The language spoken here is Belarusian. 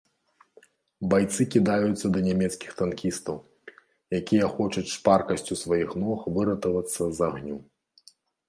Байцы кідаюцца да нямецкіх танкістаў, якія хочуць шпаркасцю сваіх ног выратавацца з агню.